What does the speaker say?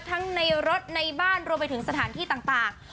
ทั้งในรถในบ้านรวมไปถึงสถานที่ต่าง